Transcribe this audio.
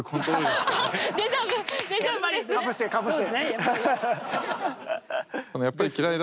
かぶせかぶせ。